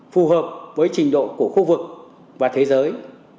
phù hợp với trình độ của khu vực và thế giới